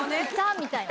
みたいな。